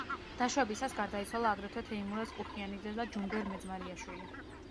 დაშვებისას გარდაიცვალა აგრეთვე თეიმურაზ კუხიანიძე და ჯუმბერ მეძმარიაშვილი.